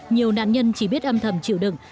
nhiều nạn nhân chỉ biết âm thầm chịu đựng